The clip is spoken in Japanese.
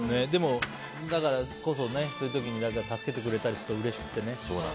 だからこそ、そういう時に誰かが助けてくれたりするとうれしくてね。